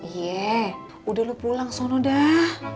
yeh udah lu pulang sono dah